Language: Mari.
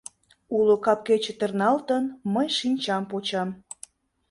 Уло капге чытырналтын, мый шинчам почам.